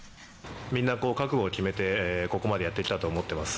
みんな、覚悟を決めてここまでやってきたと思ってます。